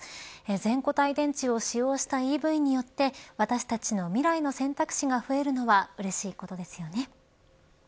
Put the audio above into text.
全固体電池を使用したＥＶによって私たちの未来の選択肢が増えるのはうれしいことですよね。